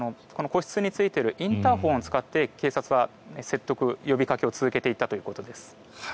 個室についているインターホンを使って警察は説得、呼びかけを続けていたということです。